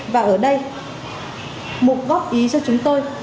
và ở đây một góp ý cho chúng tôi